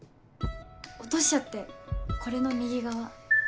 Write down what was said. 落としちゃってこれの右側。